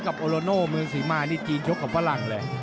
กับโอโลโนมือสิม่านิจจีนยกของฝรั่ง